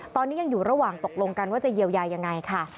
ตอนนี้ยังอยู่ระหว่างตกลงกันว่าจะเยียวยายังไงค่ะ